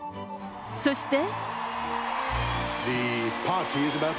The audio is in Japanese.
そして。